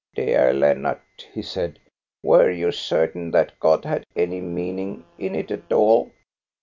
" Dear Lennart," he said, " were you certain that God had any meaning in it all?